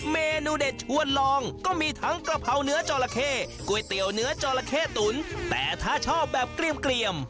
เมนูเด็ดชวนลองก็มีทั้งกะเพราเนื้อจอละเข้ก๋วยเตี๋ยวเนื้อจอละเข้ตุ๋นแต่ถ้าชอบแบบเกลี่ยม